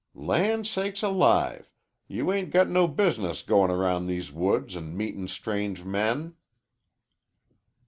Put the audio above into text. "Land sakes alive! you 'ain't got no business goin' around these woods an' meetin' strange men."